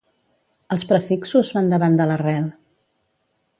Els prefixos van davant de l'arrel.